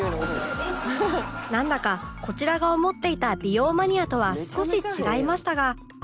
なんだかこちらが思っていた美容マニアとは少し違いましたが